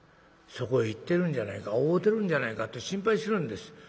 そこへ行ってるんじゃないか会うてるんじゃないかって心配してるんです。